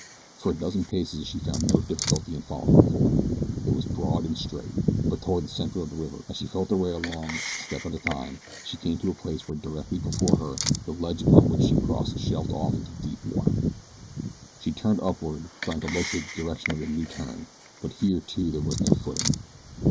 For a dozen paces she found no difficulty in following the ford. It was broad and straight; but toward the center of the river, as she felt her way along a step at a time, she came to a place where directly before her the ledge upon which she crossed shelved off into deep water. She turned upward, trying to locate the direction of the new turn; but here too there was no footing.